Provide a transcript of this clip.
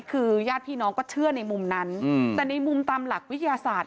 คือญาติพี่น้องก็เชื่อในมุมนั้นแต่ในมุมตามหลักวิทยาศาสตร์